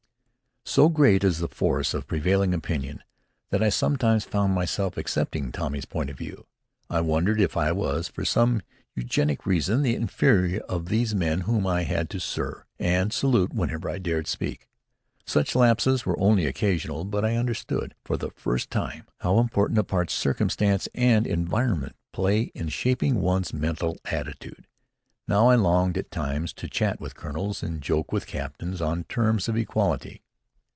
So great is the force of prevailing opinion that I sometimes found myself accepting Tommy's point of view. I wondered if I was, for some eugenic reason, the inferior of these men whom I had to "Sir" and salute whenever I dared speak. Such lapses were only occasional. But I understood, for the first time, how important a part circumstance and environment play in shaping one's mental attitude. How I longed, at times, to chat with colonels and to joke with captains on terms of equality!